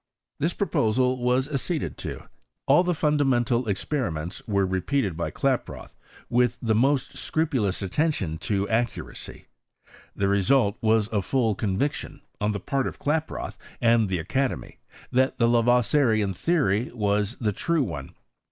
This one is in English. This pro posal was acceded to. All the fundamental expe^ riments were repeated by Klaproth with the most scrupulous attention to accuracy : the result was a full conviction, on the part of Klaproth and the academy, that the Lavoisieriau theory was the true one.